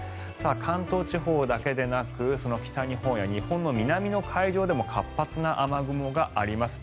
関東地方だけでなく北日本や日本の南の海上でも活発な雨雲があります。